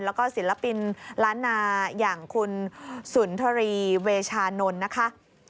แล้วก็ศิลปินล้านนาอย่างคุณสุนทรีเวชานนท์นะคะ